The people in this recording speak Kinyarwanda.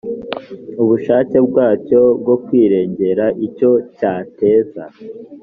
ubushake bwacyo bwo kwirengera icyo cyateza